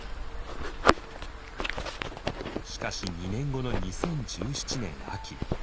しかし２年後の２０１７年秋。